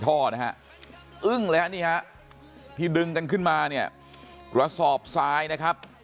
ท่อนะฮะอึ้งและเนี้ยที่ดึงกันขึ้นมาเนี้ยกระซอบซายนะครับ